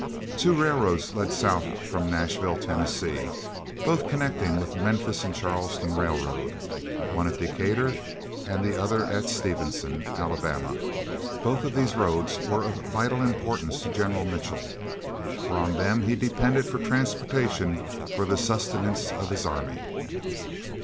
Two railroads led south from Nashville, Tennessee, both connecting with the Memphis and Charleston Railroad, one at Decatur, and the other at Stevenson, Alabama. Both of these roads were of vital importance to General Mitchell, for on them he depended for transportation for the sustenance of his army.